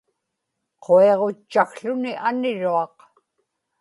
quiġutchakłuni aniruaq